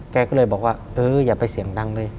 แกก็เลยบอกว่าเอออย่าไปเสียงดังเลย